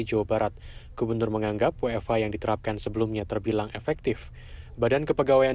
jawa barat gubernur menganggap wfh yang diterapkan sebelumnya terbilang efektif badan kepegawaian